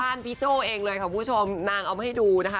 บ้านพี่เจ้าเองเลยค่ะผู้ชมนางเอาให้ดูนะคะ